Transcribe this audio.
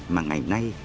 mà ngày nay